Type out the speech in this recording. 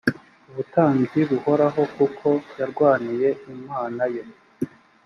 ubutambyi buhoraho kuko yarwaniye imana ye